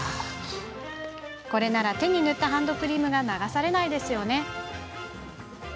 これなら手に塗ったハンドクリームが流されないですよね。